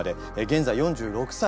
現在４６歳。